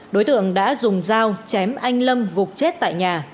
đối tượng đã dùng dao chém anh lâm gục chết tại nhà